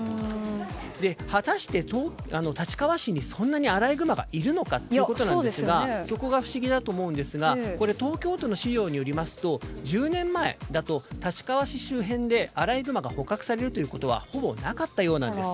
果たして、立川市にそんなにアライグマがいるのかということなんですがそこが不思議だと思うんですが東京都の資料によりますと１０年前だと立川市周辺でアライグマが捕獲されることはほぼなかったようなんです。